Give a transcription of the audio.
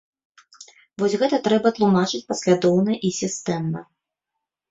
Вось гэта трэба тлумачыць, паслядоўна і сістэмна.